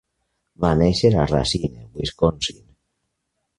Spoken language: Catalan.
Va néixer a Racine, Wisconsin.